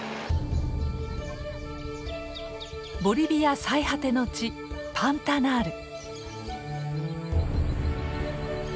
ボリビア最果ての地パンタナール。